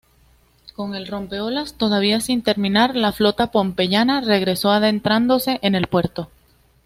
Con el rompeolas todavía sin terminar, la flota pompeyana regresó adentrándose en el puerto.